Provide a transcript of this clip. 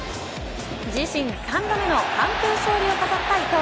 自身３度目の完封勝利を飾った伊藤。